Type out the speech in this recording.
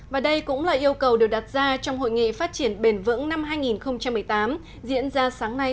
và đây cũng là yêu cầu được đặt ra trong hội nghị phát triển bền vững năm hai nghìn một mươi tám